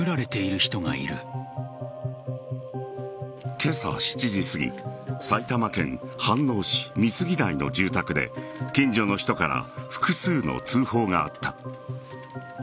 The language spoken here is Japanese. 今朝７時すぎ埼玉県飯能市美杉台の住宅で近所の人から複数の通報があった。